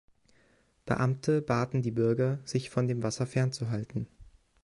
Beamte baten die Bürger, sich von dem Wasser fernzuhalten.